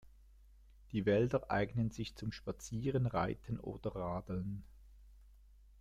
Die Wälder eignen sich zum Spazieren, Reiten oder Radeln.